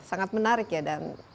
sangat menarik dan